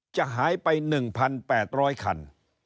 จะหายไป๑๘๐๐คัน